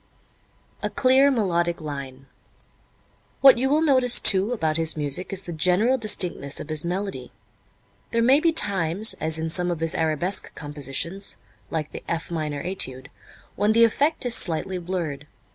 A Clear Melodic Line. What you will notice, too, about his music is the general distinctness of his melody. There may be times, as in some of his arabesque compositions, like the "F Minor Étude," when the effect is slightly blurred.